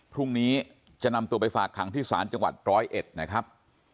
พรุ่งนี้จะนำตัวไปฝากขังที่สารจังหวัด๑๐๑นะครับ